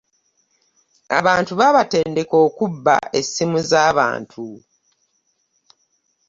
Abantu babatendeka okubba essimu za bantu.